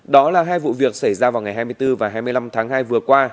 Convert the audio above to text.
đó là hai vụ việc xảy ra vào ngày hai mươi bốn và hai mươi năm tháng hai vừa qua